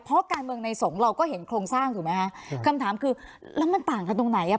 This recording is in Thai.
เพราะการเมืองในสงฆ์เราก็เห็นโครงสร้างถูกไหมคะคำถามคือแล้วมันต่างกันตรงไหนอ่ะ